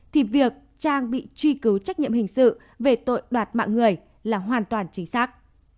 thì việc trang bị truy cứu trách nhiệm hình sự về tội đoạt mạng người là hoàn toàn chính xác